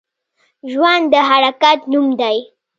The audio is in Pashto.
ژوند د حرکت نوم دی